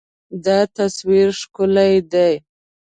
دا تصویر ښکلی دی.